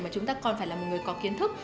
mà chúng ta còn phải là một người có kiến thức